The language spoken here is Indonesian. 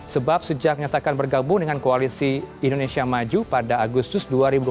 sebab sejak nyatakan bergabung dengan koalisi indonesia maju pada agustus dua ribu dua puluh